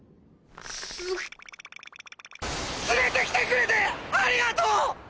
連れてきてくれてありがとう！！